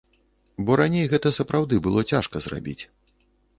Бо раней гэта сапраўды было цяжка зрабіць.